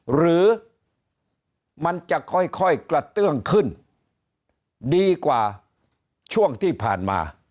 หรือมันจะค่อยกระเตื้องขึ้นดีกว่าช่วงที่ผ่านมา